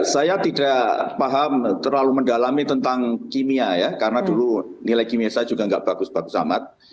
saya tidak paham terlalu mendalami tentang kimia ya karena dulu nilai kimia saya juga nggak bagus bagus amat